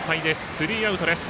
スリーアウトです。